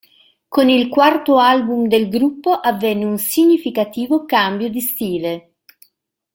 Con il quarto album del gruppo avvenne un significativo cambio di stile.